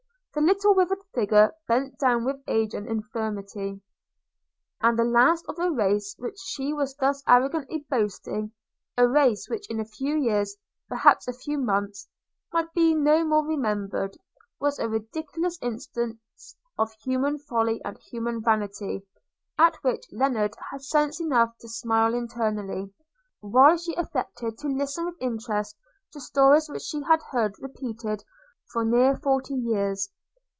– The little withered figure, bent down with age and infirmity, and the last of a race which she was thus arrogantly boasting – a race, which in a few years, perhaps a few months, might be no more remembered – was a ridiculous instance of human folly and human vanity, at which Lennard had sense enough to smile internally, while she affected to listen with interest to stories which she had heard repeated for near forty years.